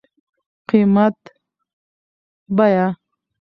قيمت √ بيه